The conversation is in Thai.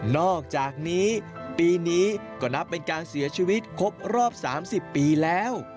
อกจากนี้ปีนี้ก็นับเป็นการเสียชีวิตครบรอบ๓๐ปีแล้ว